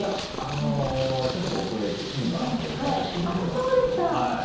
ちょっと遅れてＴＶｅｒのほうで私、見ていますけども。